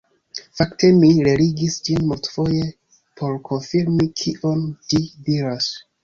Fakte mi relegis ĝin multfoje por konfirmi kion ĝi diras.